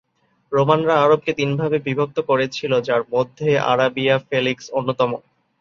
রোমানরা আরবকে তিনভাগে বিভক্ত করেছিল যার মধ্যে আরাবিয়া ফেলিক্স অন্যতম।